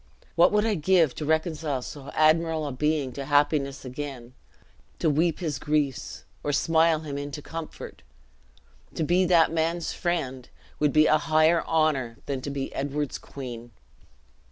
What would I give to reconcile so admirable a being to happiness again to weep his griefs, or smile him into comfort! To be that man's friend, would be a higher honor than to be Edward's queen."